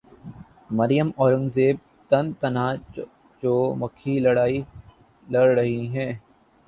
مریم اورنگزیب تن تنہا چو مکھی لڑائی لڑ رہی ہیں۔